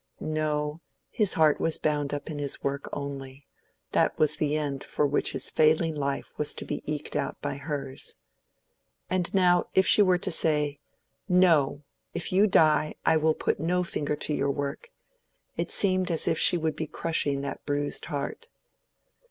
No; his heart was bound up in his work only: that was the end for which his failing life was to be eked out by hers. And now, if she were to say, "No! if you die, I will put no finger to your work"—it seemed as if she would be crushing that bruised heart.